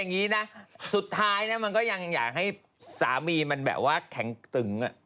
อย่างนี้นะสุดท้ายนะมันก็ยังอยากให้สามีมันแบบว่าแข็งตึง